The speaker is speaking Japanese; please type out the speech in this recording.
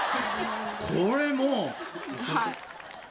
これもう。